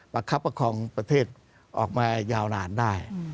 ประคับของประเทศออกมายาวนานได้